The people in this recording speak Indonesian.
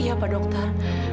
iya pak dokter